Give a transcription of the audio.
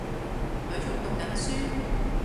佢仲讀緊書